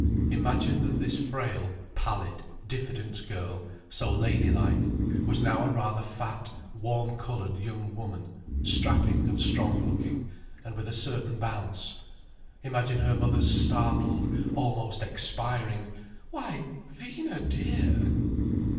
Imagine that this frail, pallid, diffident girl, so ladylike, was now a rather fat, warm coloured young woman, strapping and strong looking, and with a certain bounce. Imagine her mother's startled, almost expiring: "Why, Vina dear!"